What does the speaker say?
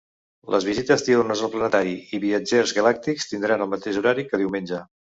Les visites diürnes al planetari i “Viatgers galàctics” tindran el mateix horari que diumenge.